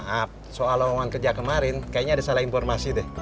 saya mau minta maaf soal omongan kerja kemarin kayaknya ada salah informasi deh